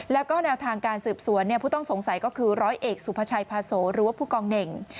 แล้วก็แนวทางการสืบสวนผู้ต้องสงสัยก็คือร้อยเอกสุภาชัยพาโสหรือว่าผู้กองเน่ง